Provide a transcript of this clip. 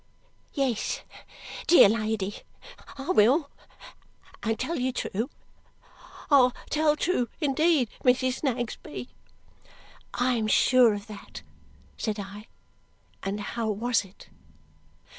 "Yes, dear lady, I will, and tell you true. I'll tell true, indeed, Mrs. Snagsby." "I am sure of that," said I. "And how was it?"